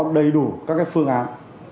đầy đủ các cái phương án